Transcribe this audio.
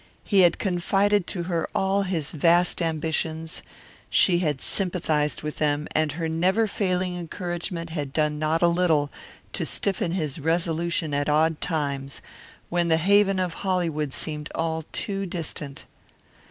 He had confided to her all his vast ambitions; she had sympathized with them, and her never failing encouragement had done not a little to stiffen his resolution at odd times when the haven of Hollywood seemed all too distant.